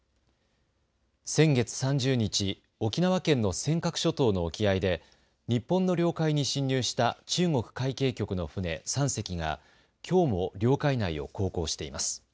先月３０日、沖縄県の尖閣諸島の沖合で日本の領海に侵入した中国海警局の船３隻がきょうも領海内を航行しています。